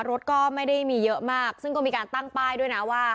รถก็ไม่ได้มีเยอะมากซึ่งก็มีการตั้งป้ายด้วยนะว่า